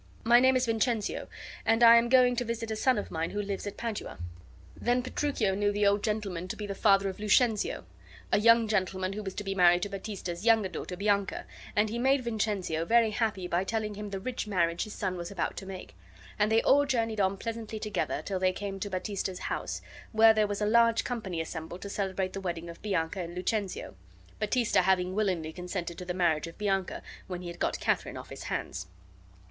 My name is Vincentio, and I am going to visit a son of mine who lives at Padua." Then Petruchio knew the old gentleman to be the father of Lucentio, a young gentleman who was to be married to Baptista's younger daughter, Bianca, and he made Vincentio very happy by telling him the rich marriage his son was about to make; and they all journeyed on pleasantly together till they came to Baptista's house, where there was a large company assembled to celebrate the wedding of Bianca and Lucentio, Baptista having willingly consented to the marriage of Bianca when he had got Katharine off his hands.